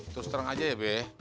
terus terang aja ya be